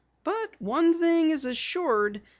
"But one thing is assured.